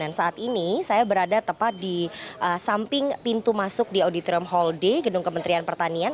dan saat ini saya berada tepat di samping pintu masuk di auditorium hall d gedung kementerian pertanian